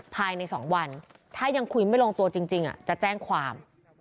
ภายใน๒วันถ้ายังคุยไม่ลงตัวจริงจะแจ้งความ